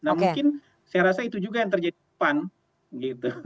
nah mungkin saya rasa itu juga yang terjadi di depan gitu